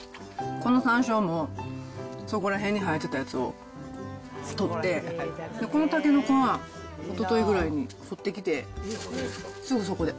このさんしょうも、そこら辺に生えてたやつを採って、このたけのこは、おとといぐらいに掘ってきて、すぐそこで。